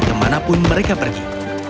kemanapun mereka pergi